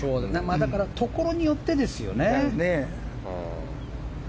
だからところによってですよね。